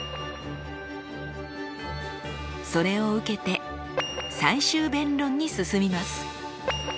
それを受けて最終弁論に進みます。